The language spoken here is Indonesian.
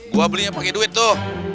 gue belinya pakai duit tuh